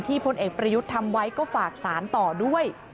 พลเอกประยุทธ์ทำไว้ก็ฝากสารต่อด้วย